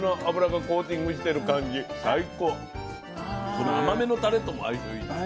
この甘めのタレとも相性いいね。